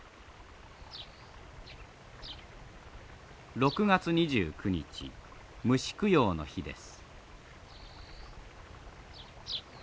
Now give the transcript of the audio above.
６月２９日虫供養の日です。